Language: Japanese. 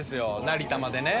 成田までね。